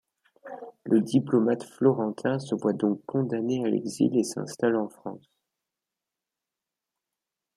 Le diplomate florentin se voit donc condamné à l'exil et s'installe en France.